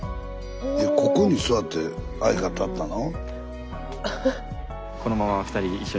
ここに座って愛語ったの？